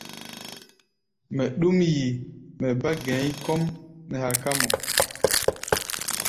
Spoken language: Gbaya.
Mɛ ɗúm yi, mɛ bá gɛ̧i̧ kɔ́ʼm nɛ haká mɔ.